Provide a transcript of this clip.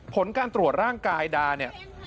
ผลการตรวจร่างกายดาเนี่ย